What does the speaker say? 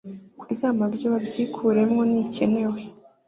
kuryamana byo babyikuremo ntikenewe